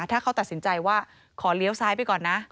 ถ้าเขาตัดสินใจว่าขอเลี้ยวซ้ายไปก่อนนะ